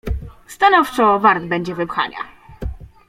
"Stanowczo wart będzie wypchania."